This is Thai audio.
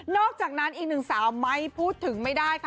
อกจากนั้นอีกหนึ่งสาวไม้พูดถึงไม่ได้ค่ะ